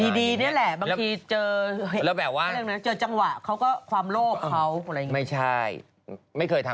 ดีนี่แหละบางทีเจอ